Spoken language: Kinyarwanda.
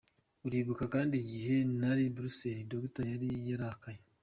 Uribuka kandi igihe nari Bruxelles, Doctor yari yarakaye.